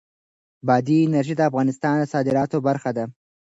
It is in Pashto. بادي انرژي د افغانستان د صادراتو برخه ده.